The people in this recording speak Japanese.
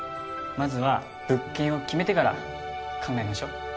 まずは物件を決めてから考えましょ。